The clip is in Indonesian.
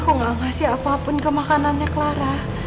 aku gak ngasih apapun ke makanannya clara